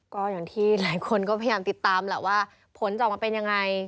ก็อย่างที่หลายคนก็พยายามติดตามแหละว่าผลจะออกมาเป็นยังไง